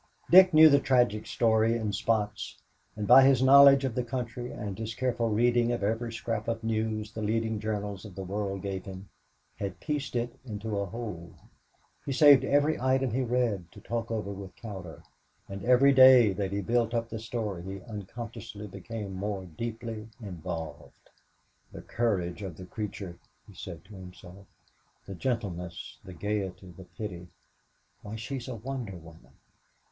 Dick knew the tragic story in spots, and, by his knowledge of the country and his careful reading of every scrap of news the leading journals of the world gave him, had pieced it into a whole. He saved every item he read to talk over with Cowder, and every day that he built up the story he unconsciously became more deeply involved. "The courage of the creature," he said to himself; "the gentleness, the gayety, the pity why, she's a wonder woman.